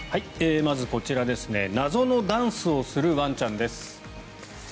まずこちら、謎のダンスをするワンちゃんです。